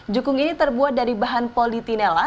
jukung ini terbuat dari bahan politinella